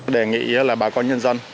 đề nghị là bà con nhân dân